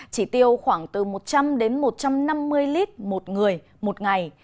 chỉ tiêu khoảng từ một trăm linh đến một trăm năm mươi lít một người một ngày